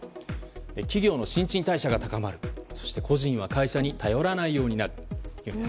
企業の新陳代謝が高まるそして個人は会社に頼らないようになるということです。